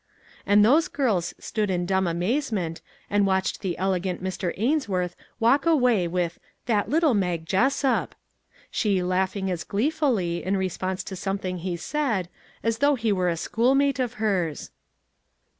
And those girls stood in dumb amazement and watched the elegant Mr. Ains worth walk away with " that little Mag Jessup !" she laughing as gleefully, in response to something he said, as though he were a schoolmate of hers.